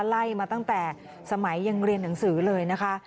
ไล่มาตั้งแต่สมัยยังเรียนหนังสือเลยนะคะ